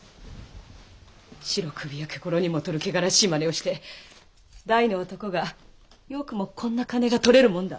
白首やけころにも劣る汚らわしい真似をして大の男がよくもこんな金が取れるもんだ。